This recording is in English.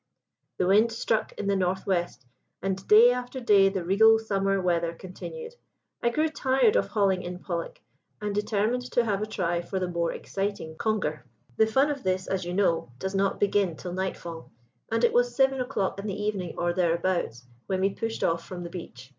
"The wind stuck in the north west, and day after day the regal summer weather continued. I grew tired of hauling in pollack, and determined to have a try for the more exciting conger. The fun of this, as you know, does not begin till night fall, and it was seven o'clock in the evening, or thereabouts, when we pushed off from the beach.